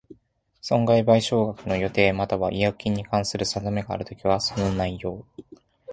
損害賠償額の予定又は違約金に関する定めがあるときは、その内容